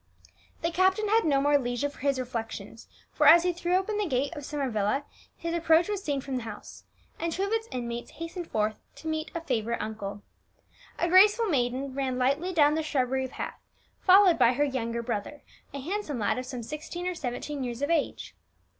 '" The captain had no more leisure for his reflections, for, as he threw open the gate of Summer Villa, his approach was seen from the house, and two of its inmates hastened forth to meet a favourite uncle. A graceful maiden ran lightly down the shrubbery path, followed by her younger brother, a handsome lad of some sixteen or seventeen years of age.